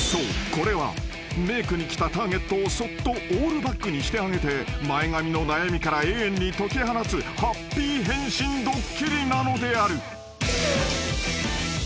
これはメークに来たターゲットをそっとオールバックにしてあげて前髪の悩みから永遠に解き放つハッピー変身ドッキリなのである］